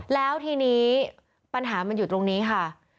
แล้วทีนี้ปัญหามันอยู่ตรงนี้ค่ะ